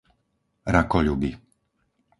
Rakoľuby